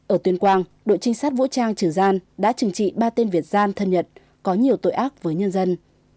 ở tuyên quang đội trinh sát vũ trang trường gian đã chừng trị ba tên việt gian thân nhật có nhiều tội ác với nhân dân